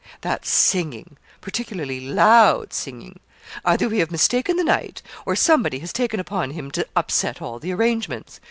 'That's singing particularly loud singing. Either we have mistaken the night, or somebody has taken upon him to upset all the arrangements.